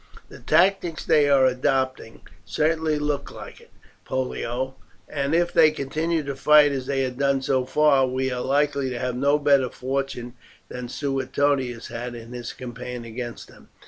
"The tactics they are adopting certainly look like it, Pollio; and if they continue to fight as they have done so far, we are likely to have no better fortune than Suetonius had in his campaign against them.